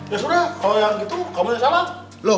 ya sudah kalau yang gitu kamu yang salah